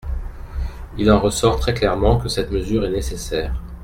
Il en ressort très clairement que cette mesure est nécessaire.